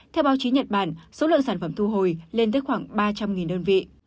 theo báo chí nhật bản số lượng sản phẩm thu hồi lên tới khoảng ba trăm linh đơn vị